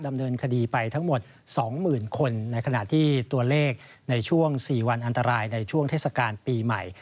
ดำเนินคดีไปทั้งหมด๒๐๐๐คนในขณะที่ตัวเลขในช่วง๔วันอันตรายในช่วงเทศกาลปีใหม่